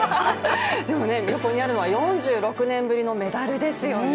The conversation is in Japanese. でも横にあるのは４６年ぶりのメダルですよね。